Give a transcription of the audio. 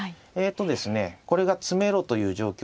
これが詰めろという状況です。